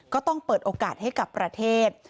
ก็ต้องเปิดโอกาสให้กับประเทศ